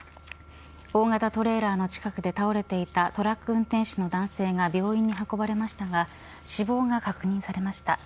大型トレーラーの近くで倒れていたトラックの運転手の男性が病院に運ばれましたが死亡が確認されました。